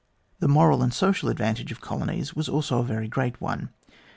The moral and social advantage of colonies was also a very great one.